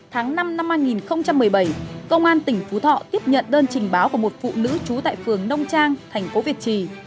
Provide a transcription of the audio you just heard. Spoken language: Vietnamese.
tháng năm năm hai nghìn một mươi bảy công an tỉnh phú thọ tiếp nhận đơn trình báo của một phụ nữ trú tại phường nông trang thành phố việt trì